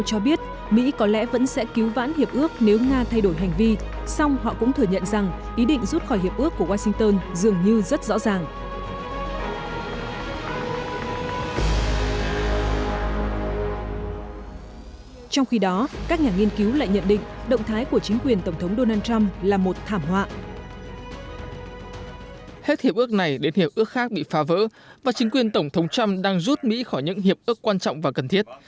hết hiệp ước này đến hiệp ước khác bị phá vỡ và chính quyền tổng thống trump đang rút mỹ khỏi những hiệp ước quan trọng và cần thiết